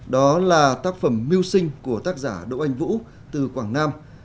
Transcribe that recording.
đó là tác phẩm mưu sinh của tác giả đỗ anh vũ từ quảng nam